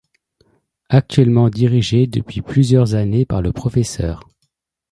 Actuellement dirigé depuis plusieurs années par le Pr.